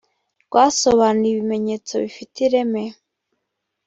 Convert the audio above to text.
rwasobanuye ibimenyetso bifite ireme